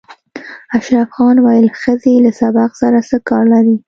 اشرف خان ویل ښځې له سبق سره څه کار لري